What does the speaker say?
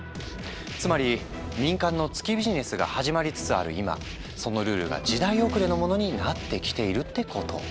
つまり民間の月ビジネスが始まりつつある今そのルールが時代遅れのものになってきているってこと。